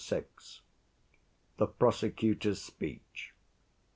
The Prosecutor's Speech.